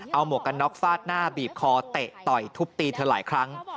เอาหมวกกันน็อกฟาดหน้าบีบคอเตะต่อยทุบตีเธอหลายครั้ง